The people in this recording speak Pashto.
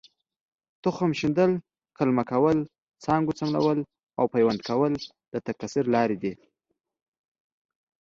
تخم شیندل، قلمه کول، څانګو څملول او پیوند کول د تکثیر لارې دي.